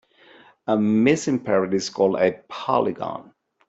A missing parrot is called a polygon.